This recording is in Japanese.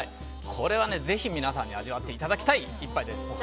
これはぜひ皆さんに味わっていただきたい１杯です。